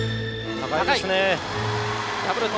高いですね。